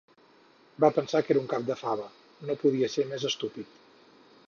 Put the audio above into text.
Va pensar que era un cap de fava, no podia ser més estúpid